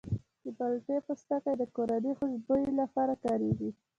د مالټې پوستکی د کورني خوشبویي لپاره کارېږي.